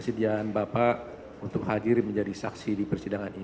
setelah datang di oliver